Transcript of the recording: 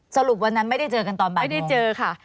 สรุปวันนั้นไม่ได้เจอกันตอนบ่ายไม่ได้เจอค่ะ